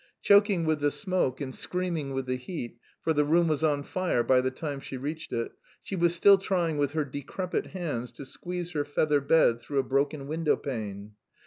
Choking with the smoke and screaming with the heat, for the room was on fire by the time she reached it, she was still trying with her decrepit hands to squeeze her feather bed through a broken window pane.